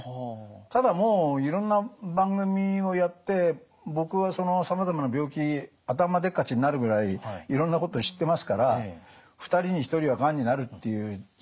ただもういろんな番組をやって僕はさまざまな病気頭でっかちになるぐらいいろんなこと知ってますから２人に１人はがんになるっていう時代ですしね。